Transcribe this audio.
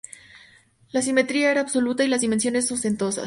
La simetría era absoluta, y las dimensiones ostentosas.